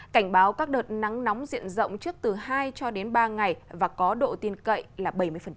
cảnh báo các đợt nắng nóng diện rộng trước từ hai cho đến ba ngày và có độ tin cậy là bảy mươi